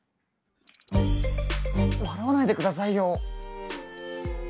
笑わないで下さいよ！